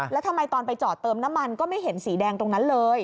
แล้วทำไมตอนไปจอดเติมน้ำมันก็ไม่เห็นสีแดงตรงนั้นเลย